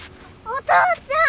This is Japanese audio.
お父ちゃん。